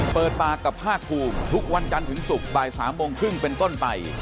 มือตากับห้าคูมทุกวันกันถึงศุกร์บ่าย๓โมงครึ่งเป็นต้นไป